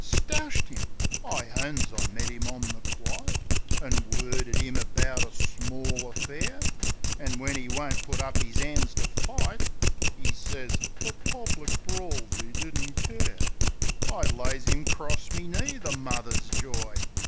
.Stoushed 'im ! I owns I met 'im on the quite, An' worded 'im about a small affair; An' when 'e won't put up 'is 'ands to fight — ('E sez, "Fer public brawls 'e didn't care") — T lays 'im 'cross me knee, the mother's joy.